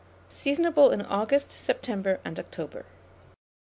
Seasonable in August, September, and October.